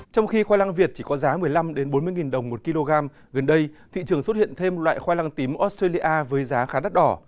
trong khi khoai lang việt chỉ có giá một mươi năm bốn mươi đồng một kg gần đây thị trường xuất hiện thêm loại khoai lang tím australia với giá khá đắt đỏ